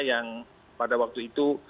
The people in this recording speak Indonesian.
yang pada waktu itu